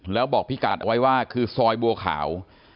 แล้วบอกพี่กัดเอาไว้ว่าคือซอยบัวขาว